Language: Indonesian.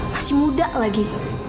masih muda lagi